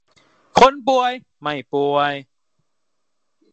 คนป่วยไม่ป่วย